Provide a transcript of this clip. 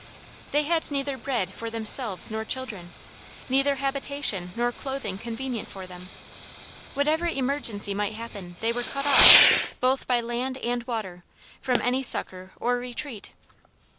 They had neither bread for themselves nor children; neither habitation nor clothing convenient for them. Whatever emergency might happen, they were cut off, both by land and water, from any succor or retreat.